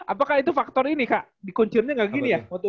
apakah itu faktor ini kak dikuncirnya nggak gini ya